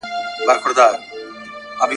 چي یې وږي خپل اولاد نه وي لیدلي ,